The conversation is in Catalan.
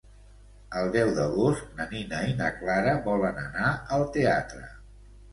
El deu d'agost na Nina i na Clara volen anar al teatre.